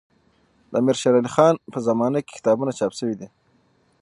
د امير شېر علي خان په زمانه کي کتابونه چاپ سوي دي.